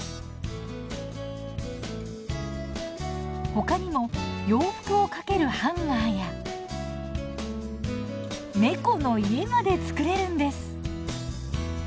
ほかにも洋服をかけるハンガーや猫の家まで作れるんです！